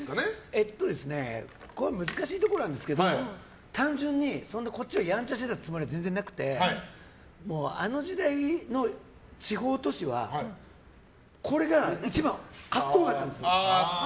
えっと難しいところなんですけど単純にこっちはやんちゃしてたつもりはなくてあの時代の地方都市はこれが一番格好良かったんです。